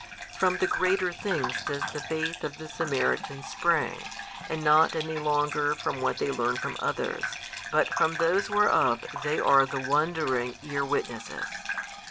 From the greater things does the faith of the Samaritans spring, and not any longer from what they learn from others, but from those whereof they are the wondering ear witnesses.